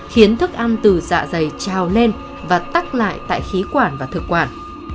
khiến thức ăn từ dạ dày trao lên và tắt lại tại khí quản và thực quản